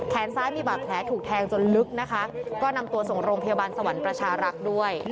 ซ้ายมีบาดแผลถูกแทงจนลึกนะคะก็นำตัวส่งโรงพยาบาลสวรรค์ประชารักษ์ด้วย